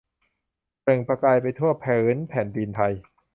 เปล่งประกายไปทั่วผืนแผ่นดินไทย